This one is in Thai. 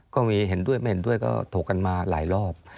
ก็มีเห็นด้วยไม่เห็นด้วยก็ถกกันมาหลายรอบ